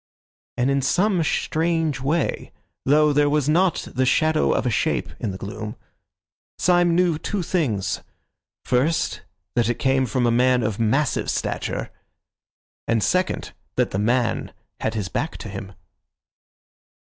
And in some strange way, though there was not the shadow of a shape in the gloom, Syme knew two things: first, that it came from a man of massive stature; and second, that the man had his back to him.